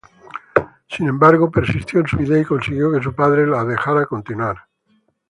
Sin embargo, persistió en su idea y consiguió que su padre lo dejara continuar.